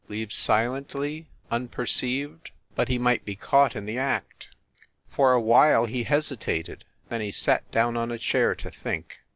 Leave silently, unper ceived ? But he might be caught in the act. For a while he hesitated, then he sat down on a chair to think.